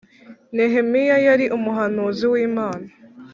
Nehemiya yari umuhanuzi w’Imana